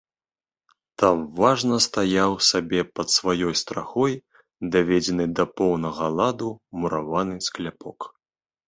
Там важна стаяў сабе пад сваёй страхой даведзены да поўнага ладу мураваны скляпок.